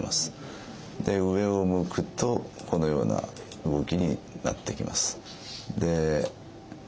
で上を向くとこのような動きになってきます。